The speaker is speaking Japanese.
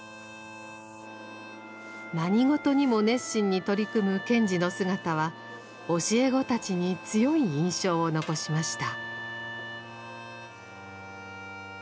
何事にも熱心に取り組む賢治の姿は教え子たちに強い印象を残しました。